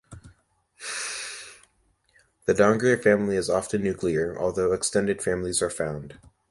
The Dongria family is often nuclear, although extended families are found.